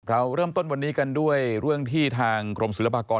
เราเริ่มต้นวันนี้กันด้วยเรื่องที่ทางกรมศิลปากร